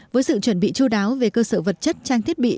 với sự chuẩn bị chú đáo về cơ sở vật chất trang thiết bị